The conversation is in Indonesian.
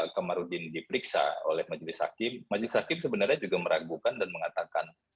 kamarudin diperiksa oleh majelis hakim majelis hakim sebenarnya juga meragukan dan mengatakan